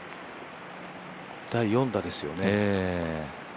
第４打ですよね。